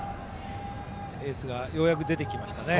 エースがようやく出てきましたね。